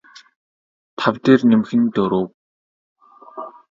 тав дээр нэмэх нь дөрөв